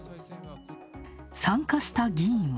参加した議員は。